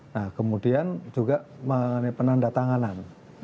nah kemudian juga mengenai penanda tanganan